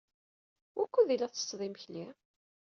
Wukud ay la tettetteḍ imekli?